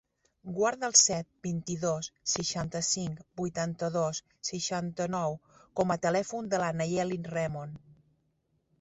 Guarda el set, vint-i-dos, seixanta-cinc, vuitanta-dos, seixanta-nou com a telèfon de la Nayeli Remon.